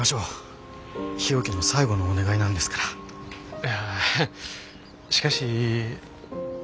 いやしかし。